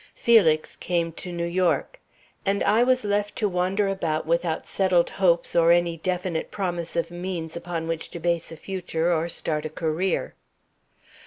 "Felix came to New York, and I was left to wander about without settled hopes or any definite promise of means upon which to base a future or start a career.